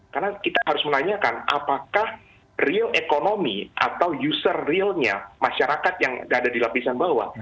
karena kita harus menanyakan apakah real economy atau user realnya masyarakat yang tidak ada di lapisan bawah